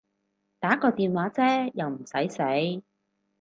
打個電話啫又唔駛死